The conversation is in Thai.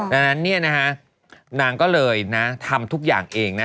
ดังนั้นเนี่ยนะฮะนางก็เลยนะทำทุกอย่างเองนะ